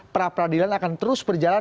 perapradilan akan terus berjalan